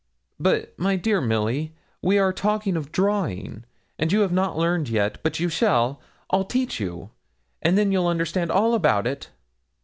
'But, my dear Milly, we were talking of drawing, and you have not learned yet, but you shall I'll teach you; and then you'll understand all about it.'